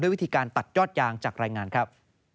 วิธีการตัดยอดยางจากรายงานครับ